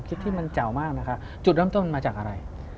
ที่มันแจ๋วมากนะคะจุดเริ่มต้นมันมาจากอะไร